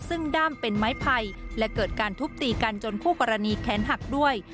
ซึ่งด้ามเป็นไม้ไผ่และเกิดการทุบตีกันจนคู่กรณีแขนหักด้วย